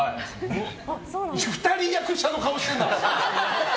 ２人、役者の顔してんな！